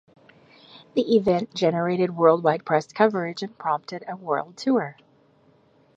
The event generated worldwide press coverage and prompted a world tour.